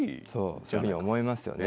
そういうふうに思いますよね。